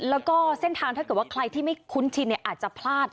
แล้วก็เส้นทางถ้าเกิดว่าใครที่ไม่คุ้นชินอาจจะพลาด